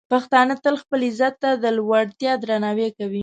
پښتانه تل خپل عزت ته د لوړتیا درناوی کوي.